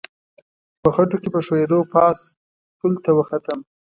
په خټو کې په ښویېدو پاس پل ته وختم.